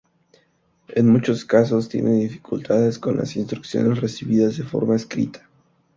En muchos casos, tienen dificultades con las instrucciones recibidas de forma escrita.